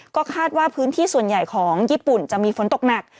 ก็คาดว่าพื้นที่ส่วนใหญ่ของญี่ปุ่นจะมีฝนตกหนัก